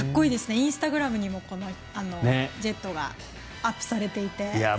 インスタグラムにもジェットがアップされていて。